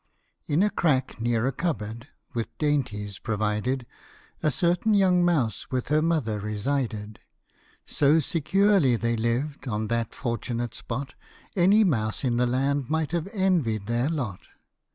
IN a crack near a cupboard, with dainties provided, A certain young mouse with her mother resided ; So securely they lived on that fortunate spot, Any mouse in the land might have envied their lot.